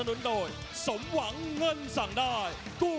ตอนนี้มวยกู้ที่๓ของรายการ